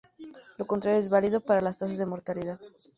Lo contrario es válido para las tasas de mortalidad.